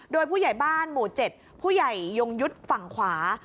โดยผู้ใหญ่บ้านหมู่๗ผู้ใหญ่ยงยุทธ์ฝั่งขวา